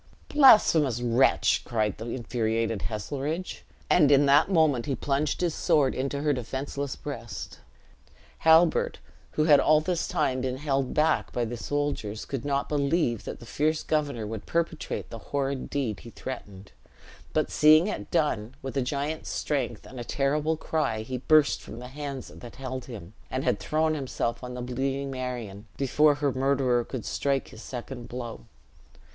"Blasphemous wretch!" cried the infuriated Heselrigge; and in that moment he plunged his sword into her defenseless breast. Halbert, who had all this time been held back by the soldiers, could not believe that the fierce governor would perpetrate the horrid deed he threatened; but seeing it done, with a giant's strength and a terrible cry he burst from the hands that held him, and had thrown himself on the bleeding Marion, before her murderer could strike his second blow.